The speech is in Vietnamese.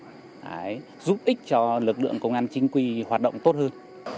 và giúp ích cho lực lượng công an chính quy hoạt động tốt hơn